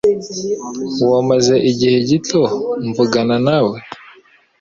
wo maze igihe gito mvugana nawe